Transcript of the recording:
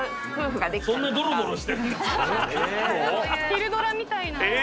昼ドラみたいな。